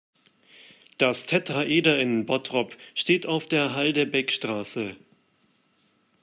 Das Tetraeder in Bottrop steht auf der Halde Beckstraße.